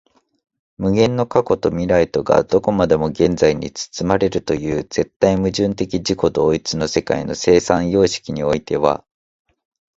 無限の過去と未来とがどこまでも現在に包まれるという絶対矛盾的自己同一の世界の生産様式においては、